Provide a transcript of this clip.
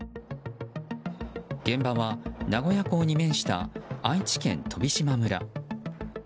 現場は、名古屋港に面した愛知県飛島村。